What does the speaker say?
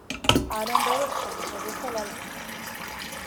Aaron Robertson produjo el álbum.